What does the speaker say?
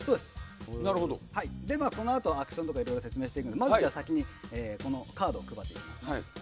このあと、アクションとか説明しますがまず先にカードを配っていきます。